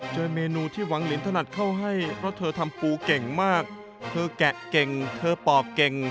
เมนูที่หวังลินถนัดเข้าให้เพราะเธอทำปูเก่งมากเธอแกะเก่งเธอปอบเก่ง